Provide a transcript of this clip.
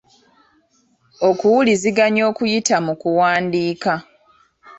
Okuwuliziganya okuyita mu kuwandiika.